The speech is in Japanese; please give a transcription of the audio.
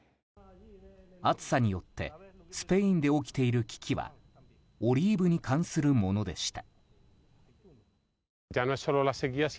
暑さによってスペインで起きている危機はオリーブに関するものでした。